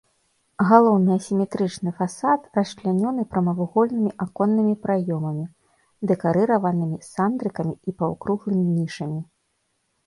Галоўны асіметрычны фасад расчлянёны прамавугольнымі аконнымі праёмамі, дэкарыраванымі сандрыкамі і паўкруглымі нішамі.